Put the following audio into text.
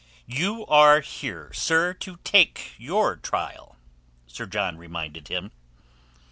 "You are here, sir, to take your trial," Sir John reminded him.